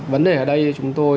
vấn đề ở đây chúng tôi